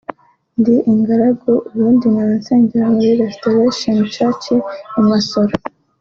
ndi ingaragu ubundi nkaba nsengera muri Restoration Church i Masoro